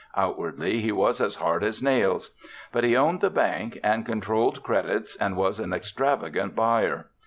Outwardly, he was as hard as nails. But he owned the bank and controlled credits and was an extravagant buyer.